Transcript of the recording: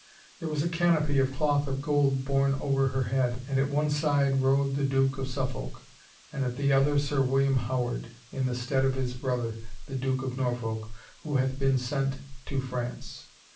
There was a canopy of cloth of gold borne over her head and at one side rode the Duke of Suffolk and at the other Sir William Howard, in the stead of his brother, the Duke of Norfolk, who hath been sent to France.